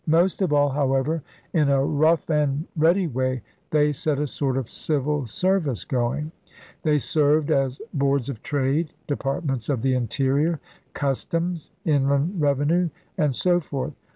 Most of all, however, in a rough and ELIZABETHAN ENGLAND 67 ready way they set a sort of Civil Service going. They served as Boards of Trade, Departments of the Interior, Customs, Inland Revenue, and so forth.